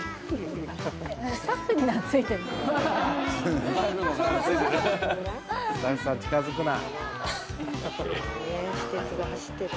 スタッフさん近づくな。